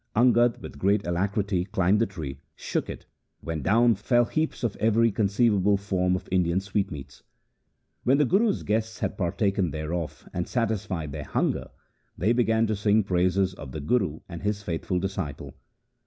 Angad with great alacrity climbed the tree, shook it, when down fell heaps of io THE SIKH RELIGION every conceivable form of Indian sweetmeats. When the Guru's guests had partaken thereof and satisfied their hunger, they began to sing praises of the Guru and his faithful disciple.